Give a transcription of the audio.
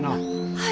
はい！